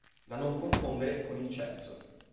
Da non confondere con il censo.